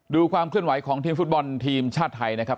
ความเคลื่อนไหวของทีมฟุตบอลทีมชาติไทยนะครับ